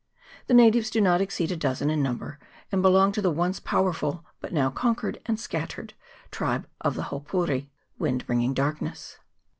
The natives do not exceed a dozen in number, and belong to the once powerful, but now conquered and scattered, tribe of the Haupouri (wind bringing darkness).